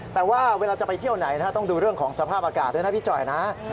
แต่ว่าเวลาจะไปเที่ยวไหนต้องดูเรื่องของสภาพอากาศด้วยนะพี่จ่อยนะ